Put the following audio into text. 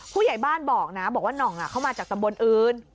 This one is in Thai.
ผู้ใหญ่บ้านบอกนะบอกว่าน่องเข้ามาจากตำบลอื่น